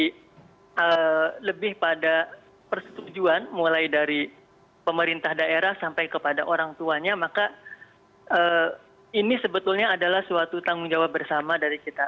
lebih pada persetujuan mulai dari pemerintah daerah sampai kepada orang tuanya maka ini sebetulnya adalah suatu tanggung jawab bersama dari kita